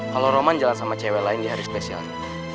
kalau roman jalan sama cewek lain dia hari spesialnya